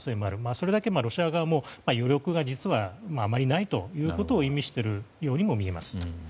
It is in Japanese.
それだけロシア側も余力が実は、あまりないということを意味しているように見えます。